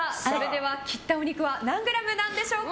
切ったお肉は何グラムなんでしょうか。